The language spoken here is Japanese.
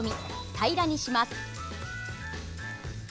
平らにします。